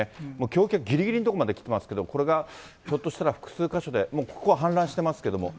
橋脚ぎりぎりの所まで来てますけど、これがひょっとしたら複数箇所で、もうここは氾濫してますけれども。